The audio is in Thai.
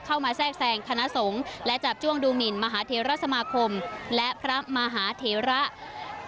เข้ามาแซ่งคณะสงฆ์และจับช่วงดูมิลมหาเหดสมธมาภพและพระมหาเหดสมธมาธิละ